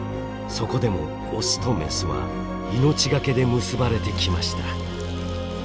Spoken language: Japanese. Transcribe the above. そこでもオスとメスは命懸けで結ばれてきました。